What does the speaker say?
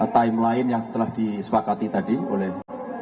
timeline yang setelah disepakati tadi oleh